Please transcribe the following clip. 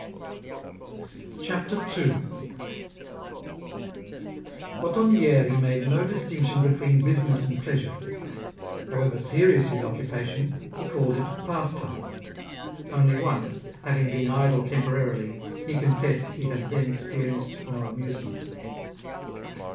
CHAPTEK II. Ottonieri made no distinction between business and pleasure. However serious his occupation, he called it pastime. Only once, having been idle temporarily, he confessed he had then experienced no amusement.